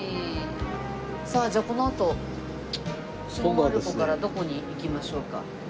さあじゃあこのあと下丸子からどこに行きましょうか？